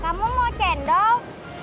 kamu mau cendol